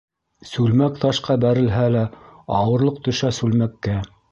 Сүлмәк ташҡа бәрелһә лә, ауырлыҡ төшә сүлмәккә.